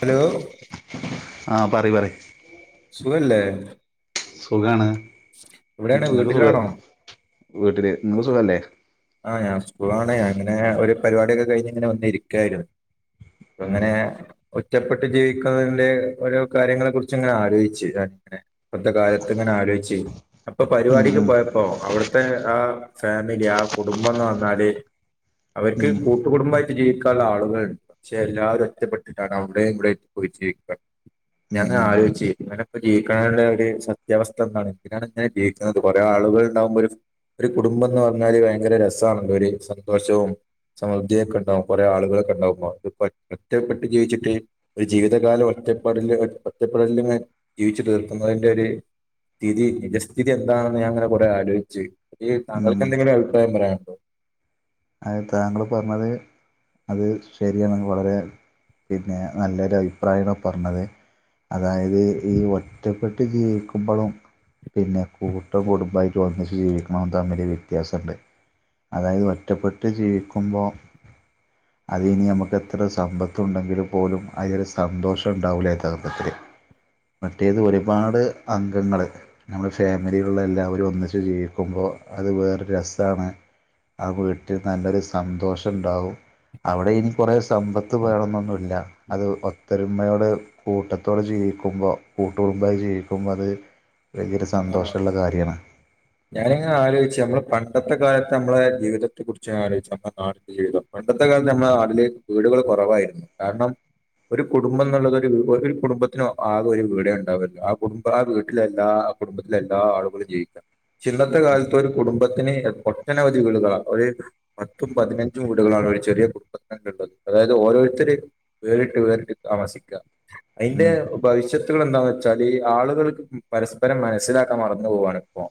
Hello ആഹ് പറയ് പറയ്‌ സുഖല്ലേ? സുഖാണ് എവിടെയാണ് ഇങ്ങക്ക് സുഖലേ വീട്ടിലാണോ വീട്ടില് നഇ ങ്ങക്ക് സുഖല്ലേ ആഹ് ഞാൻ സ്കൂളിലാണ്. ഞാനിങ്ങനെ ഒരു പരിപാടിയൊക്കെ കഴിഞ്ഞ് ഇങ്ങനെ വന്നിരിക്കായിരുന്നു. ഉം അങ്ങനെ ഒറ്റപ്പെട്ട് ജീവിക്കുന്നതിന്റെ ഓരോ കാര്യങ്ങളെ കുറിച്ച് ഇങ്ങനെ ആലോചിച്ച് ഞാനിങ്ങനെ ഇപ്പൊത്തെ കാലത്ത്ങ്ങനെ ആലോചിച്ചു അപ്പൊ ഉം പരിപാടിക്ക് ഉം പോയപ്പോ അവിടുത്തെ ആ ഫാമിലി ആ കുടുംബം ന്ന് പറഞ്ഞാല് അവർക്ക് ഉം കൂട്ടുകടുംബമായി ജീവിക്കാനുള്ള ആളുകളുണ്ട്. പക്ഷെ എല്ലാവരും ഒറ്റപ്പെട്ടിട്ടാണ് അവിടെയും ഇവിടെയും പോയി ജീവിക്കാണ്. ഉം ഞാൻ ഇങ്ങനെ ഉം ആലോയ്ച്ച് ഇങ്ങനെ ജീവിക്കണാനുള്ള ഒരു സത്യാവസ്ഥ എന്താണ് എന്തിനാണ് ഇങ്ങനെ ജീവിക്കുന്നത് കൊറേ ആ ളുകൾ ഉണ്ടാവുമ്പോ ഒരു ഒരു കുടുംബംന്ന് പറഞ്ഞാല് ഭയങ്കര രസാണ് ഒരു സന്തോഷവും സമൃദ്ധിയൊക്കെ ഉണ്ടാവും കുറേ ആളുകളൊക്കെ ഉണ്ടാകുമ്പോ. ഇതിപ്പോ ഒറ്റപ്പെട്ട് ജീവിച്ചിട്ട് ഒരു ജീവിതകാലം ഒ റ്റപ്പെടല് ഒറ്റപ്പെടലിങ്ങനെ ജീവിച്ചു തീർക്കുന്നതിന്റെ ഒരു- സ്ഥിതി നിജസ്ഥിതി എന്താണെന്ന് ഞാൻ ഇങ്ങനെ കൊറെ ആലോജിച്ച് ഉം താങ്കൾക്ക് ഉം എന്തെങ്കിലും അഭി പ്രായം പറയാനുണ്ടോ? അത് താങ്കൾ പറഞ്ഞത് അത് ശരിയാണ് വളരെ പിന്നെ നല്ലൊരു അഭിപ്രായമാണ് പറഞ്ഞത്. അതായത് ഈ ഒറ്റപ്പെട്ട് ജീവിക്കുമ്പോളും, പിന്നെ കൂട്ട് കുടുംബമായിട്ട് ഒന്നിച്ച് ജീവിക്ക് നോം തമ്മില് വ്യത്യാസമുണ്ട് അതായത് ഒറ്റപ്പെട്ട് ജീവിക്കുമ്പോൾ അത് ഇനി നമുക്ക് എത്ര സമ്പത്ത് ഉണ്ടെങ്കില് പോലും അതിൽ സന്തോഷം ഉണ്ടാവൂല യഥാർത്ഥത്തില്. പറ്റേത് ഒരുപാട് അംഗങ്ങള് നമ്മുടെ ഫാമിലിുള്ള എല്ലാവരും ഒന്നിച്ച് ജീവിക്കുമ്പോൾ അ അത് വേറൊ രസമാണ് അത് ഇട്ടി നല്ലൊരു സന്തോഷം ഉണ്ടാവും അവിടെ ഇനി കുറെ സമ്പത്ത് വേണം എന്നൊന്നുമല്ല അത് ഒത്തൊരുമയോട് കൂട്ടത്തോട് ചെയ്യുക ക്കുമ്പോ കൂട്ട ജുമ്പോ അത് വലിയൊരു ആ സന്തോഷമുള്ള കാര്യമാണ് ഞാനിങ്ങനെ ആലോചിച്ചു നമ്മള് പ പണ്ടത്തെ കാലത്ത് നമ്മളുടെ ജീവിതത്തെ കുറിച്ച് ആലോചിച്ച നമ്മുടെ നാട്ട ജവിതം പണ്ടത്തെ കാലത്ത് നമ്മള നാിലില് വീടുകളൾ കുറവായിരുന്നു കാരണം ഒരു കുടുംബം എന്നുള്ളത്രു ഒരു കുടുംബത്തിനും ആകെ ഒരു വീടെ ഉണ്ടാവല്ലോ ആ കുടുംബം ആ വീട്ടിലെല്ലാ കുടുംബത്തിലെ എല്ലാ ആളുകളും ജീവിക്കാം ഇന്നത്തെ കാലത്ത് ഒരു കുടുംബ പ ഒട്ടനവധികള ഒരു പത്തും പതിനഞ്ചും വീടുകളാണ് ചെറിയ കുടുംബത്തിുള്ളത് അതായത് ഓരോരുത്തര വേറിട്ട് വേറിട്ട് താമസിക്കുക അതിന്റെ ഉം ഭവിഷ്യത്തുകൾ എന്താന്ന് വെച്ചാൽ ഈ ആളുകൾക്ക് പരസ രം മനസ്സിലാക്കാൻ മറന്നു പോകവവാാണ് ഇപ്പോ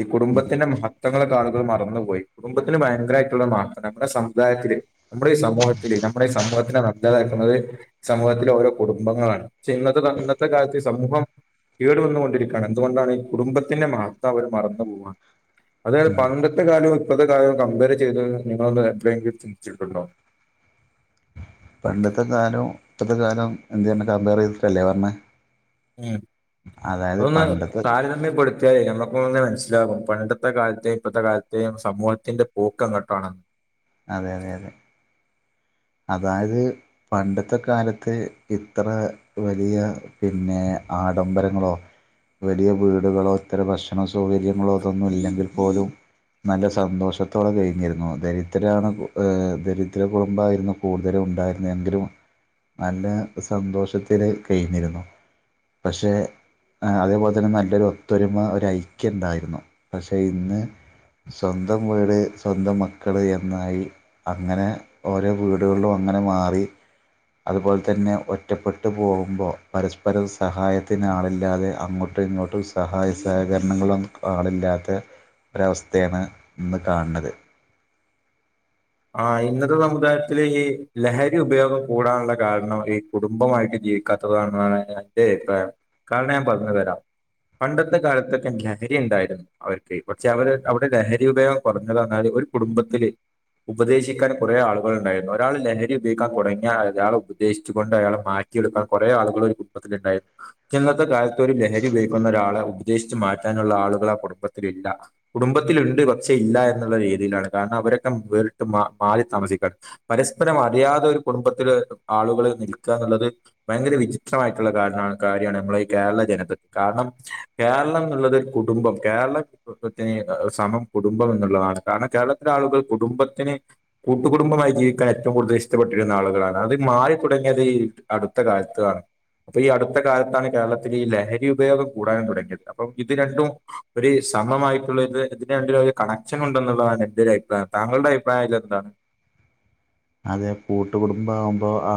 ഈ ഉം കുടുംബത്തിന്റെ മഹ മങ്ങളെ കാ ആളുകൾ മറന്നുപോയി കുടുംബത്തിന് ഭയങ്കരമായിട്ടുള്ള മാക്ക് നമ്മുടെ സമുദായത്തില്ൽ നമ്മുടെ ഈ സമൂഹത്തിലൽ നമ്മള ഈ സമൂഹത്തിനെ നല്ലതാക്കുന്നത് സമൂഹത്തിലെ ഓരോ കുടുംബങ്ങളാണ് പക്ഷെ ഇന്നത്തെ ഇന്നത്തെ കാലത്ത് സമൂ സമൂഹം കേടു വന്നുക കൊണ്ടിരിക്കയാണ് എന്തുകൊണ്ടാണ് ഈ കുടുംബത്തിന്റെ മാത്രം അവര് മറന്നു പോവാൻ അതത് ഉം. പണ്ടത്തെ കാലവും ഇപ്പത്തെ കാലോ കമ്പയർ ചെയ്തന്ന് നിങ്ങളൊന്ന് എ എങ്കിൽ ചിന്തിച്ചിട്ടുണ്ടോ [inaudible] പണ്ടത്തെ കാലവും ഇപ്പത്തെ കാലം എന്ത്ന്ന കമ്പയർ ചെയ്തിട്ടല്ലേ പറഞ്ഞ ഉ അതൊന്ന് പണ്ടത്തെ താരതമ്യപ്പെടുത്തി അത്യെ നമുക്കന്നെ മനസ്സിലാകും പണ്ടത്തെ കാലത്തെയും ഇപ്പോഴത്തെ കാലത്തെയും സമൂഹത്തിന്റെ പോക്ക് അങ്ങോട്ട ആണെന്ന് അതെ അതെ അതെ അതായത് പണ്ടത്തെ കാലത്ത് ഇത്ര വലിയ പിന്നെ ആഡംബരങ്ങളോ വലിയ വീടുകളോ ഇത്തര ഭക്ഷണ സൗകര്യങ്ങളോതൊന്നും ഇല്ലെങ്കിൽ പോലും നല്ല സന്തോഷത്തോടെ കഴിഞ്ഞിരുന്നു ദരിദ്രാണ് ഏ ദരിദ്ര കുടുംബമായിരുന്നു കൂടുതലും ഉണ്ടായിരുന്നു എങ്കിലും നല്ല സന്തോഷത്തി കഴിഞ്ഞിരുന്നു പക്ഷെ അതേപോലെ തന്നെ നല്ലൊരു ഒത്തൊരുമ ഒരു ഐക്യംണ്ടായിരുന്നു പക്ഷെ ഇന്ന് സ്വന്തം വീട് സ്വന്തം മക്കള് എന്നായി അങ്ങനെ ഓരോ വീടുകളിലും അങ്ങനെ മാറി അതുപോലെ തന്നെ ഒറ്റപ്പെട്ടു പോകുമ്പോൾ പരസ്പര സഹായത്തിനാളില്ലാതെ അങ്ങോട്ട് ഇങ്ങോട്ടും സഹായ സഹകരണങ്ങളൊന്നും ആളില്ലാത്ത ഒരവസ്ഥയാണ് ഇന്ന് കാണത് ആ ഇന്നത്തെ സമുദായത്തില് ഈ ലഹരി ഉപയോഗം കൂടാനുള്ള കാരണം ഈ കുടുംബമായിട്ട് ഈ കഥ കാണാണ് എന്റെ അഭിപ്രായം കാരണം ഞാൻ പറഞ്ഞു തരാം പണ്ടത്തെ കാലത്തൊക്കെ ലഹരി ഉണ്ടായിരുന്നു അവർക്ക് പക്ഷെ അവര് അവിടെ ലഹരി ഉപയോഗം കുറഞ്ഞതന്നും ഒരു കുടുംബത്തില് ഉപദേശിക്കാൻ കുറെേ ആളുകൾ ഉണ്ടായിരുന്നു ഒരാൾ ലഹരി ഉപയോഗിക്കാൻ തുടങ്ങിയാ അയാളെ ഉപദേശിച്ചു കൊണ്ട് അയാൾ മാറ്റി യെടുക്കാൻ കുറെ ആളുകളൾ ഒരു കുപ്പത്തിലൽ ഉണ്ടായിരുന്നു ചന്നത്തെ കാലത്ത് ഒരു ലഹരി ഉപയോഗിക്കുന്ന ഒരാളെ ഉപദേശിച്ചച്ച് മാറ്റി ള്ള ആളുകളാ കുടുംബത്തിലല്ല കുടുംബത്തില്ണ്ട് പക്ഷെ ഇല്ല എന്നുള്ള രീതിയിലാണ് കാരണം അവരെ വ് മാറി താമസിക്ക പരസ്പരം അറിയാതെ ഒരു കുടുംബത്തില് ആളുകൾ നിൽക്കാ ത് ഭയങ്കര വിചിത്രമായിട്ടുള്ള ക കാര്യമാണ് നമ്മള ഈ കേരള ജനത കാരണം കേരളം എന്നുള്ളത് കുടുംബം കേരളംത്തി സമം കുടുംബം എന്നുള്ളതാണ് കാരണം കേരളത്തിലെ ആളുകൾ കുടുംബത്തിന് കൂട്ടുകുടുംബമായി ജീവിക്കാൻ ഏറ്റവും കൂടുതൽ ഇഷ്ടപ്പെട്ടിരുന്ന ആളുകളാണ് അത് മാറി തുടങ്ങിയത് ഈ അടുത്ത കാലത്തണ് അപ്പൊ ഈ അടുത്ത കാലത്താണ് കേരളത്തിൽ ഈ ലഹരി ഉപയോഗം കൂടാൻ തുടങ്ങിയത് അപ്പം ഇത് രണ്ടും ഒരു സമമായിട്ടുള്ളത് ഇതിന് ഒരു കണക്ഷൻ ഉണ്ടെന്നുള്ളതാണ് എന്റെ ഒരു അഭിപ്രായം താങ്കളുടെ അഭിപ്രായംല്ല എന്താണ് അതെ കൂട്ട കുടുംബ ആകുമ്പോ ആ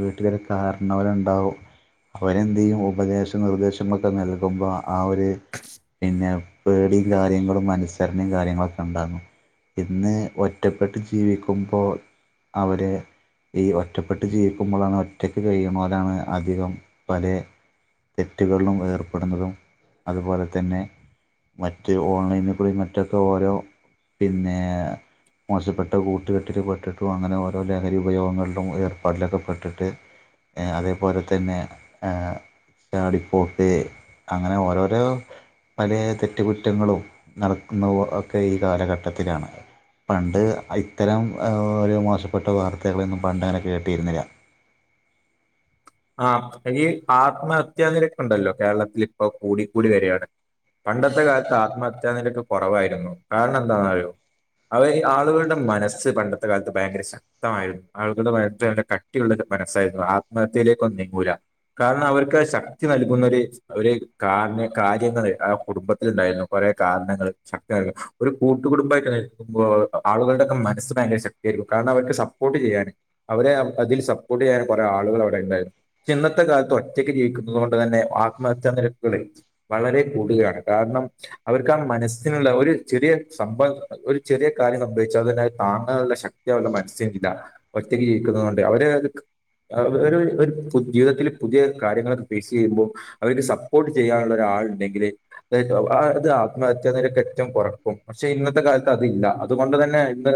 വീട്ടിലരു കാരണവലുണ്ടാവും അവരെന്തെയ്യും ഉപദേശ നിർദേശങ്ങളൊക്കെ നൽകുമ്പോ ആ ഒരു പിന്നെ പേടിയും കാര്യങ്ങളും മനുസരണയും കാര്യങ്ങളൊക്കെ ഇണ്ടാന്നു ഇന്ന് ഒറ്റപ്പെട്ട് ജീവിക്കുമ്പോൾ അവര് ഈ ഒറ്റപ്പെട്ട് ജീവിക്കുമ്പോളാണ് ഒറ്റക്ക് കഴിയണോലാണ് അധികം പല തെറ്റുകളിലും ഏർപ്പെടുന്നതും അതുപോലെ തന്നെ മറ്റ് ഓൺലൈനിൽ കൂടി മറ്റൊക്കെ ഓരോ പിന്നെ മോശപ്പെട്ട കൂട്ടുകെട്ടിൽ പെട്ടിട്ട് ട്ടും അങ്ങനെ ഓരോ ലഹരി ഉപയോഗങ്ങളിലും ഏർപ്പാടിലൊക്കെ പെട്ടിട്ട് അതേപോലെ തന്നെ ആ ചാടി പോക്ക് അങ്ങനെ ഓരോരോ പല തെറ്റുകുറ്റങ്ങളും നടക്കുന്ന ഒക്കെ ഈ കാലഘട്ടത്തിലാണ് പണ്ട് ഇത്തരം ഓരോ മോശപ്പെട്ട വാർത്തകളൊന്നും പണ്ടങ്ങനെ കേട്ടിയിരുന്നില്ല ആ ഈ ആത്മഹത്യാ നിരൊക്കൊണ്ടല്ലോ കേരളത്തിൽ ഇപ്പോ കൂടിക്കൂടി വരയാണ് പണ്ടത്തെ കാലത്ത് ആത്മഹത്യാ നിരക്ക് കുറവായിരുന്നു കാരണം എന്താന്നറിയോ അവ ആളുകളുടെ മനസ്സ് പണ്ടത്തെ കാലത്ത് ഭയങ്കര ശക്തമായിരുന്നു ആളുകളുടെ മസ് കട്ടിയുള്ളൊരു മനസ്സായിരുന്നു ആത്മ ത്തേക്കൊന്നും നീങ്ങൂല കാരണം അവർക്ക് ശക്തി നൽകുന്നൊരു ഒരു കാര കാര്യ ആ കുടുംബത്തില് ഇണ്ടായിരുന്നു കൊറെ കാരണങ്ങള് ശക്തമായൊരു ഒരു കൂട്ടുകടുംബമായി ആളുകളുടെ മനസ്സ് ഭയങ്ക ശക്തിയായിരിക്കും കാരണം അവർക്ക് സപ്പോർട്ട് ചെയ്യാന് അവരെ അതിൽ സപ്പോർട്ട് ചെയ്യാൻ കുറെ ആളുകൾ അവി ഇന്നത്തെ കാലത്ത് ഒറ്റക്ക് ജീവിക്കുന്നത് കൊണ്ട് തന്നെ ആത്മഹത്യാ നിരക്കുകളെ വളരെ കൂടുത കാരണം അവർക്ക് ആ മനസ്സിനുള്ള ഒരു ചെറിയ സമ്പ ഒരു ചെറിയ കാര്യം സംഭവിച്ചാത് താങ്ങാനുള്ള ശക്തിയവർട മനസ്സിനില്ല ഒറ്റക്ക് ജീവിക്കുന്നൊണ്ട് അവര് ഒരു ഒരു ജീവിതത്തിൽ പുതിയ കാര്യങ്ങളൊക്കെ ഫേസ് ചെയ്യുമ്പോ അവർക്ക് സപ്പോർട്ട് ചെയ്യാനുള്ള ഒരാൾ ഇണ്ടെങ്കി ല് ആത്മഹത്യ നിരക്ക് ഏറ്റവും കുറക്കും പക്ഷെ ഇന്നത്തെ കാലത്ത് അതില്ല അതുകൊണ്ട് തന്നെ ഇപ്പം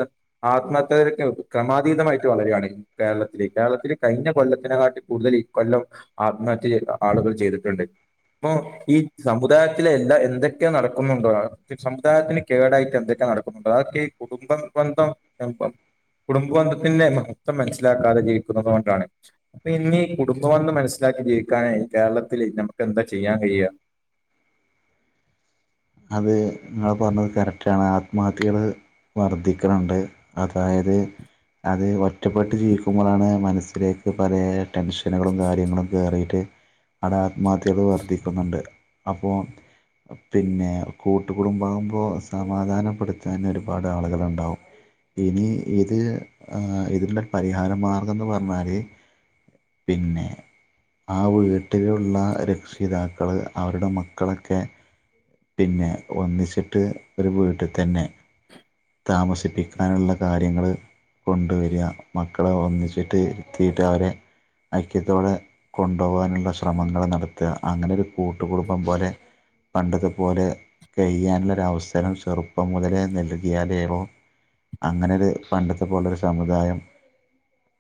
ആത്മഹത്യ നിരക്ക് ക്രമാതീതമായിട്ട് വളര്കയാണ് കേരളത്തില് കേരളത്തില് കഴി കൊല്ലത്തിനെ കാട്ടി കൂടുതൽ ഈ കൊല്ലം ആത്മഹത്യ ചെയ്ത ആളുകൾ ചെയ്തിട്ടുണ്ട് അപ്പൊ ഈ സമുദായത്തില എല്ലാം എന്തൊക്കെ നടക്കുന്നുണ്ടോ സമുദായത്തിന് കേടായിട്ട് എന്തൊക്കെ നടക്കുന്നുണ്ട് അതാക്കെ കുടുംബ ബന്ധം എം കുടുംബബന്ധത്തിന്റെ മഹത്വം മനസ്സിലാക്കാതെ ജീവിക്കുന്നത് കൊണ്ടാണ് അപ്പൊ ഇന്നീ കുടുംബമെന്ന് മനസ്സിലാക്കി ജീവിക്കാന് കേരളത്തില് ഞമുക്ക് എന്താ ചെയ്യാൻ കഴിയാ അത് നിങ്ങ പറഞ്ഞത് കറക്റ്റാണ് ആത്മഹത്യകള് വർധിക്കുന്നുണ്ട് അതായത് അത് ഒറ്റപ്പെട്ട് ജീവിക്കുമ്പോഴാണ് മനസ്സിലേക്ക് പല ടെൻഷനുകളും കാര്യങ്ങളും കേറിയിട്ട് ടെ അട ആത്മഹത്യകള് വർധിക്കുന്നുണ്ട് അപ്പോ പിന്നെ കൂട്ടുകുടുബമാവുമ്പോ സമാധാനപ്പെടുത്താന് ഒരുപാട് ആളുകള്ണ്ടാവും ഇനി ഇത് ആ ഇതിനൊരു പരിഹാര മാർഗം എന്ന് പറഞ്ഞാല് പിന്നെ ആ വീട്ടിലുള്ള രക്ഷിതാക്കള് അവരുടെ മക്കളൊക്കെ പിന്നെ ഒന്നിച്ചിട്ട് ഒരു വീട്ടി തന്നെ താമസിപ്പിക്കാനുള്ള കാര്യങ്ങളാ കൊണ്ടുവരിക മക്കളെ ഒന്നിച്ചിട്ട് ഇരിത്തീട്ട് അവരെ ഐക്യത്തോടെ കൊണ്ടോവാനുള്ള ശ്രമങ്ങള് നടത്ത്ക അങ്ങനൊരു കൂട്ടുകുടുബം പോലെ പണ്ടതും പോലെ കഴിയാനുള്ളൊരവസരം ചെറുപ്പം മുതലേ നൽകിയാലേളെ അങ്ങനൊരു പണ്ടത്തെ പോലൊരു സമുദായം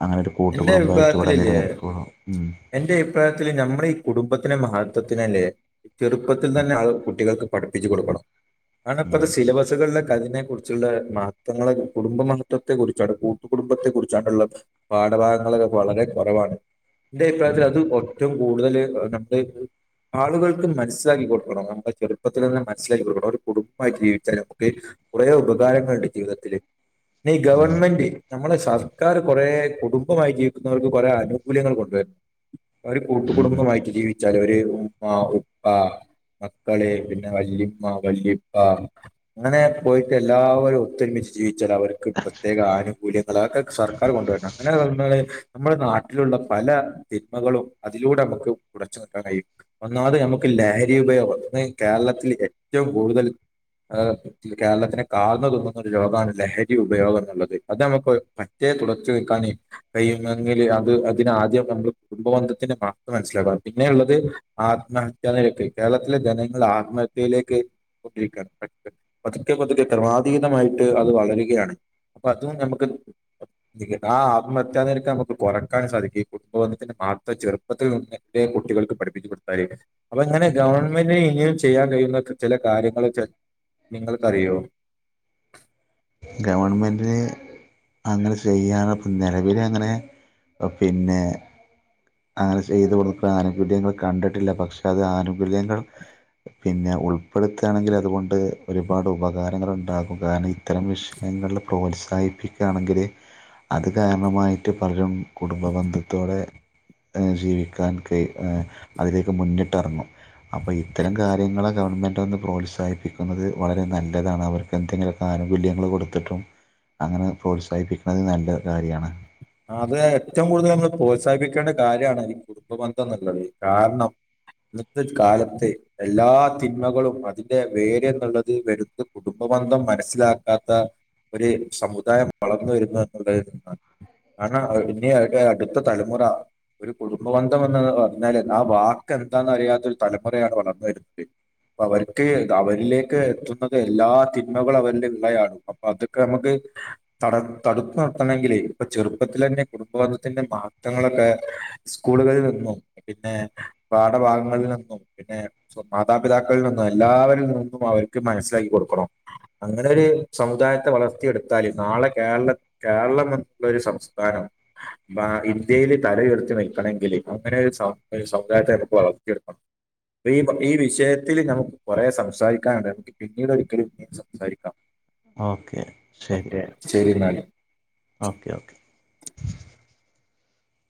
അങ്ങനെ ഒരു എന്റെ കൂട്ടുകുടുംബമായിട്ട് ഇവിടെ അഭിപ്രായത്തില്ലേ നിലനിൽക്കുള്ളൂ ഉം എന്റെ അഭിപ്രായത്തില് ഞമ്മടെ ഈ കുടുംബത്തി ത്തിന്റെ മഹത്വത്തിനല്ലേ ഈ ചെറുപ്പത്തിൽ തന്നെ ആ കുട്ടികൾക്ക് പഠിപ്പിച്ചു കൊടുക്കണം അങ്ങനെ ഉം ആപ്പ സിലബസുകളിലെ അതിനെ കുറിച്ചുള്ള മഹത്വങ്ങള കുടുംബ മഹത്വത്തെ കുറിച്ചാണ് കൂട്ടുകടുംബത്തെ കുറിചാണ്‌ള്ളത് പാഠഭാഗങ്ങളൊക്കക്കെ വളരെ കുറവാണ് എന്റെ അഭിപ്രായത്തിൽ അത് ഒറ്റും കൂടുതൽ നമ്മള് ആളുകൾക്ക് മനസിലാക്കി കൊടുക്കണം നമ്മുടെ ചെറുപ്പത്തിൽ നിന്ന് മനസ്സിലാക്കി കൊടുക്കണം ഒരു കുടുംബമായി ജീവിച്ചാൽ നമുക്ക് കുറെ ഉപകാരങ്ങളുണ്ട് ജീവിതത്തില് പിന്നെ ഈ ഗവൺമെന്റ് നമ്മള് സർക്കാർ കൊറെ കുടുംബമായി ജീവിക്കുന്നവർക്ക് കുറെേ ആനുകൂല്യങ്ങൾ കൊണ്ടുവരും അവര് ഉം കൂട്ടുകടുംബമായിട്ട് ജീവിക്കും ചിലര് ഉമ്മ ഉപ്പ മക്കള് പിന്നെ വല്ലിയമ്മ വല്ലിപ്പ അങ്ങനെ പോയിട്ട് എല്ലാവരും ഒത്തൊരുമിച്ച് ജീവി ചിലവർക്ക് പ്രത്യേക ആനുകൂല്യങ്ങളൊക്കെ സർക്കാർ കൊണ്ടുവര നമ്മള് നമ്മുടെ നാട്ടിലുള്ള പല തിന്മകളും അതിലൂടെ നമുക്ക് ഉട ച്ചു കൊണ്ടരാൻ കഴിയും ഒന്നാത് നമുക്ക് ലഹരി ഉപയോഗം വന്ന് കേരളത്തിൽ ഏറ്റവും കൂടുതൽ കേരളത്തിനെ കാർന്നു തിന്നുന്ന ഒരു രോഗമാണ് ലഹരി ഉപയോഗം എന്നുള്ളത് അത് നമുക്ക് പറ്റെ തുടച്ചു നിൽക്കൻ കഴിയുമെങ്കിൽ അത് അതിനാദ്യം ന കുടുംബന്ധത്തിന്റെ മാത്രം മനസ്സിലാക്കാം പിന്നെ ഉള്ളത് ആത്മഹത്യ നിലക്ക് കേരളത്തിലെ ജനങ്ങൾ ആത്മഹത്യയിലേക് പതുക്കെ പതുക്കെ ക്രമാതീതമായിട്ട് അത് വളരുകയാണ് അപ്പൊ അതും നഞമ്മക്ക് ആ പറ്റാതി രിക്കാൻ നമുക്ക് കുറക്കാൻ സാധിക്കും കുടുംബന്ധത്തിന് മഹത്വം ചെറുത്തിൽ കുട്ടികൾക്ക് പഠിപ്പച്ച്ടു അ അപ്പൊ ഇങ്ങനെ ഗവൺമെന്റിന് ഇങ്ങനും ചെയ്യാൻ കഴിയുന്നെ ചില കാര്യങ്ങള് നിങ്ങള്ക്കറിയോ ഗവർൺമെൻറ്റ്ന് അങ്ങനെ ചെയ്യാനപ്പം നിലവില് അങ്ങനെ പിന്നെ അങ്ങനെ ചെയ്ത് കൊടുക്ക ആനുകൂല്യങ്ങൾ കണ്ടിട്ടില്ല പക്ഷെ അത് ആനുകൂല്യങ്ങൾ പിന്നെ ഉൾപ്പെടുത്തുകയാണെങ്കിൽ അതുകൊണ്ട് ഒരുപാട് ഉപകാരങ്ങളുണ്ടാകും കാരണം ഇത്തരം വിഷയങ്ങളുടെ പ്രോത്സാ ത്സാഹിപ്പിക്കുകയാണെങ്കിൽ അത് കാരണമായിട്ട് പലരും കുടുംബ ബന്ധത്തോടെ ജീവിക്കാൻ കൈ അതിലേക്ക് മുന്നിട്ട്ഇറങ്ങും അപ്പൊ ഇത്തരം കാര്യങ്ങൾ ഗവൺമെന്റ് ന്ന് പ്രോത്സാഹിപ്പിക്കുന്നത് വളരെ നല്ലതാണ് അവർക്ക് എന്തെങ്കിലുമൊക്കെ ആനുകൂല്യങ്ങള് കൊടുത്തിട്ടും അങ്ങനെ പ്രോത്സാഹിപ്പിക്കണുന്നത് നല്ല കാര്യമാണ് അത് ഏറ്റവും കൂടുതൽന്ന് പ്രോത്സാഹിപ്പിക്കേണ്ട കാര്യമാണ് ഈ കുടുംബ ബന്ധം എന്നുള്ളത് കാരണം ഇന്നത്തെ കാലത്ത് എല്ലാ തിന്മകളും അതിന്റെ വേര് എന്നുള്ളത് വരുന്ന കുടുംബം നിബന്ധം മനസ്സിലാക്കാത്ത ഒരു സമുദായം വളർന്നു വരുന്ന എന്നുള്ള നിന്നാണ് കാരണം ആ ഇനി അടുത്ത തലമുറ ഒരു കുടുംബബന്ധം എന്ന് പറഞ്ഞാല് ആ വാക്ക് എന്താന്ന അറിയാത്തൊ ഒരു തലമുറയാണ് വളർന്നു വരുന്നത് അ അവർക്ക് അവരിലേക്ക് എത്തുന്നത് എല്ലാ തിന്മകളും അവന്റെ ഉമ്മയാണ് അപ്പൊ അതൊക്കെ നമുക്ക് തട തടുപ്പ നിർത്തണമെങ്കിലെ ഇപ്പൊ ചെറുപ്പത്തിലെന്നെ കുടുംബബന്ധത്തിന്റെ മഹത്വങ്ങളൊക്കെ സ്കൂളുകളിൽ നിന്നും പിന്നെ പാഠഭാഗങ്ങളിൽ നിന്നും പിന്നെ മാതാപിതാക്കളിൽ നിന്നും എല്ലാവരിൽ നിന്നും അവർക്ക് മനസ്സിലാക്കികൊ ക്കണം അങ്ങനെ ഒരു സമുദായത്തെ വളർത്തി എടുത്താല് നാളെ കേരള കേരളമെ ള്ളൊര് സംസ്ഥാനം ഭാ ഇന്ത്യയില് തല ഉയർത്തി നിക്കണെങ്കില് അങ്ങനൊരു സം ഒര് സമുദാ യത്തെ നമുക്ക് വളർത്തിയെടുക്കണം ഇപ്പ ഈ ഈ വിഷയത്തില് നമുക്ക് കുറെ സംസാരിക്കാനുണ്ട് നമക്ക് പിന്നീട് ഒരിക്കല് ഇനിം സംസാരിക്കാം ഓക്കെ ശരി ഓക്കെ ശരി ഇന്നാല് ഓക്കെ ഓക്കെ